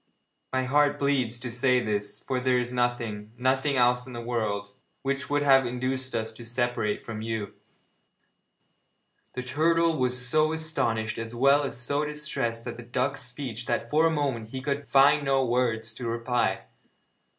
My heart bleeds to say this, for there is nothing nothing else in the world which would have induced us to separate from you.' The turtle was so astonished as well as so distressed at the duck's speech that for a moment he could find no words to reply.